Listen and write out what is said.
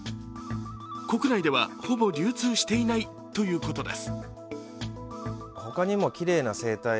国内では、ほぼ流通していないということです。